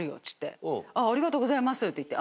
ありがとうございますって言って。